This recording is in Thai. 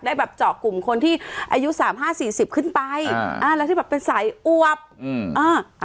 แบบเจาะกลุ่มคนที่อายุสามห้าสี่สิบขึ้นไปอ่าอ่าแล้วที่แบบเป็นสายอวบอืมอ่า